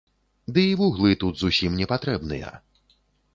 Ды і вуглы тут зусім не патрэбныя.